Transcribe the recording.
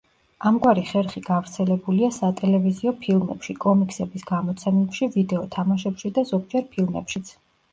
ამგვარი ხერხი გავრცელებულია სატელევიზიო ფილმებში, კომიქსების გამოცემებში, ვიდეო თამაშებში და ზოგჯერ ფილმებშიც.